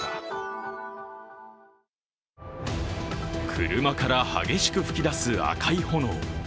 車から激しく噴き出す赤い炎。